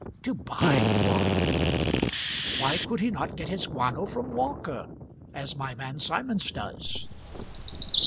"To buy guano! Why could he not get his guano from Walker, as my man Symonds does?"